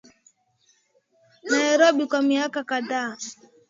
Nairobi kwa miaka kadhaa